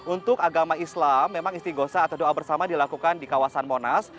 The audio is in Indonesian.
untuk agama islam memang istiqosa atau doa bersama dilakukan di kawasan monas